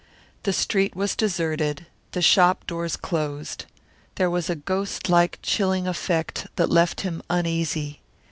The street was deserted, the shop doors closed. There was a ghostlike, chilling effect that left him uneasy.